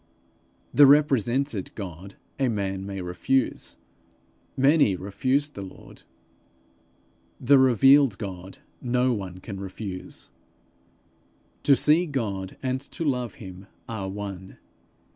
The represented God a man may refuse; many refused the Lord; the revealed God no one can refuse; to see God and to love him are one.